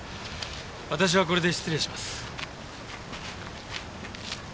私はこれで失礼します。